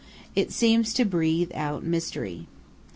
It seems to breathe out mystery.